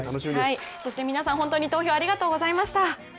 そして皆さん、投票ありがとうございました。